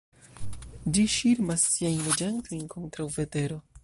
Ĝi ŝirmas siajn loĝantojn kontraŭ vetero.